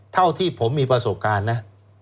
เท่าที่ผมมีประสบการณ์นะ